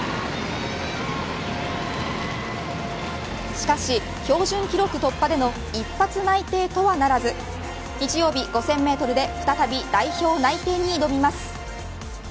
しかし、標準記録突破での一発内定とはならず日曜日５０００メートルで再び代表内定に挑みます。